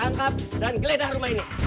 tangkap dan geledah rumah ini